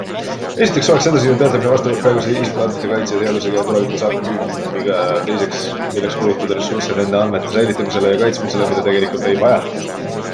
Esiteks oleks edasine töötlemine vastuolus praegu isikuandmete kaitse seadusega ja tulevikus AKÜM-iga Teiseks, milleks kulutada ressurssi nende andmete säilitamisele ja kaitsmisele, mida tegelikult ei vajata.